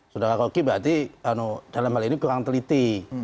sudah kakak roky berarti dalam hal ini kurang teliti